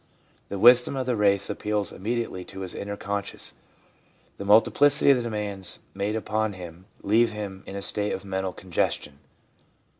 The wisdom of the race appeals immediately to his inner consciousness. The multiplicity of the demands made upon him leave him in a state of mental congestion.